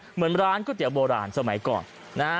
เหมือนร้านก๋วยเตี๋ยโบราณสมัยก่อนนะฮะ